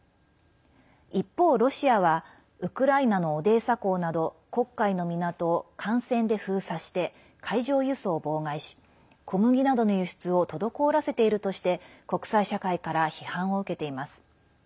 一方、ロシアはウクライナのオデーサ港など黒海の港を艦船で封鎖して海上輸送を妨害し小麦などの輸出を滞らせているとして国際社会から批判を受けています。